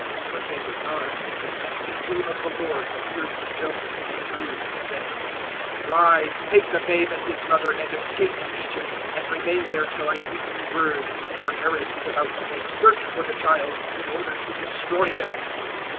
002:013 When they were gone, and angel of the Lord appeared to Joseph in a dream and said, "Rise: take the babe and His mother and escape to Egypt, and remain there till I bring you word. For Herod is about to make search for the child in order to destroy Him."